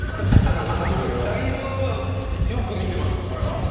だいぶよく見てますわそれは。